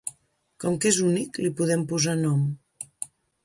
Com que és únic, li podem posar nom.